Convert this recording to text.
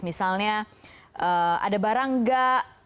misalnya ada barang nggak